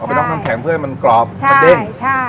เอาไปน็อกน้ำแข็งเพื่อให้มันกรอบใช่ใช่